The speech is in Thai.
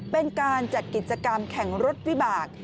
เป็นการจัดกิจกรรมแข่งรถวิบาก